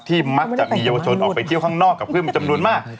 ที่มักจะมีเยาวชนออกไปเที่ยวข้างนอกกับคืนมีจำนวนมาก